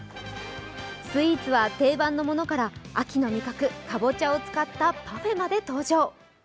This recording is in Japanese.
スイーツは定番のものから秋の味覚かぼちゃを使ったパフェまで登場。